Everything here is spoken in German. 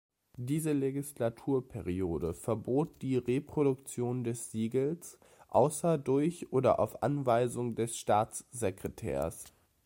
Diese Legislaturperiode verbot die Reproduktion des Siegels außer durch oder auf Anweisung des Staatssekretärs.